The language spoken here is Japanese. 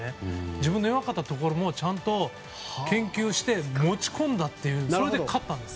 自分の弱かったところもちゃんと研究して、持ち込んでそれで勝ったんです。